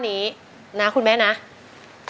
ขอบคุณครับ